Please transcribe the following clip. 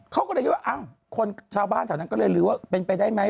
เขาก็เลยคิดว่าคนชาวบ้านแถวนั้นก็เลยลืมว่าเป็นไปได้ไหม